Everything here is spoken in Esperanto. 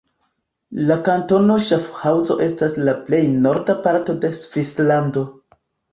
La kantono Ŝafhaŭzo estas la plej norda parto de Svislando.